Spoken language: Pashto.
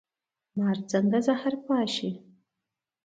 مار څنګه زهر پاشي؟